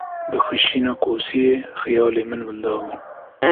Bi xişîna kosiyê, xiyalê min winda bû.